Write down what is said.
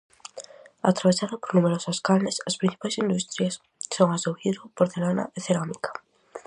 Atravesada por numerosas canles, as principais industrias son as do vidro, porcelana e cerámica.